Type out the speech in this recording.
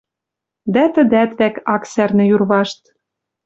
Дӓ тӹдӓт вӓк ак сӓрнӹ юр вашт.